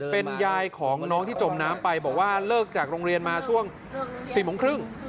เป็นยายของน้องที่จมน้ำไปบอกว่าเลิกจากโรงเรียนมาช่วง๔โมงครึ่ง